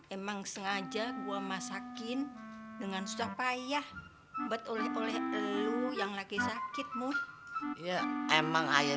emang sengaja gua masakin dengan supaya buat oleh oleh lu yang lagi sakitmu ya emang ayah